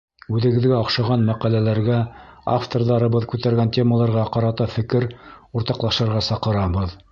Үҙегеҙгә оҡшаған мәҡәләләргә, авторҙарыбыҙ күтәргән темаларға ҡарата фекер уртаҡлашырға саҡырабыҙ.